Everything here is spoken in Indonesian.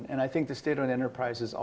dan saya pikir pemerintah di indonesia juga